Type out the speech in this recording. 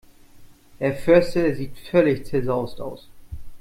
Herr Förster sieht völlig zerzaust aus.